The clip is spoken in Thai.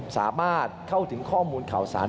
สามารถเข้าถึงข้อมูลข่าวสาร